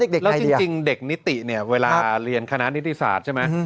แล้วจริงเด็กนิติเวลาเรียนคณะนิตืศาสตร์